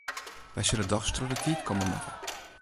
Wy sille dochs troch de tiid moatte.